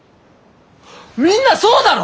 みんなそうだろ！